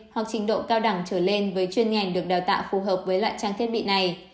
hoặc trình độ cao đẳng trở lên với chuyên ngành được đào tạo phù hợp với lại trang thiết bị này